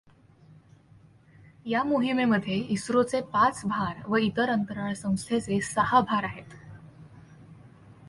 या मोहिमेमध्ये इस्रोचे पाच भार व इतर अंतराळसंस्थांचे सहा भार आहेत.